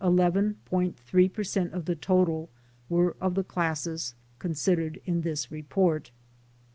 3 per cent of the total, were of the classes considered in this report.